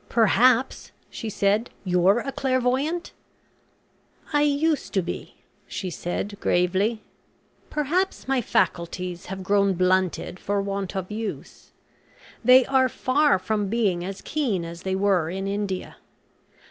"Perhaps," she said, "you're a clairvoyant?" "I used to be," she said, gravely. "Perhaps my faculties have grown blunted, for want of use. They are far from being as keen as they were in India.